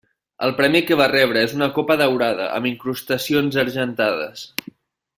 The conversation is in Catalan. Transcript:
El premi que va rebre és una copa daurada amb incrustacions argentades.